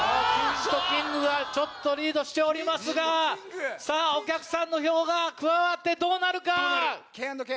ＫＩＮＺとＫ−ｉｎｇがちょっとリードしておりますがさぁお客さんの票が加わってどうなるか⁉Ｋ＆Ｋ。